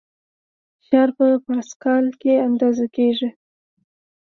فشار په پاسکال کې اندازه کېږي.